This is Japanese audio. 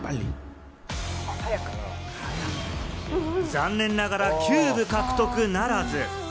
残念ながらキューブ獲得ならず。